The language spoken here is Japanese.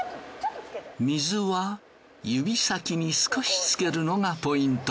水は指先に少しつけるのがポイント。